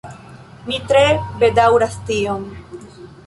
Mi tre bedaŭras tion.